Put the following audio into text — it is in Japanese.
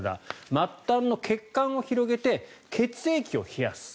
末端の血管を広げて血液を冷やす。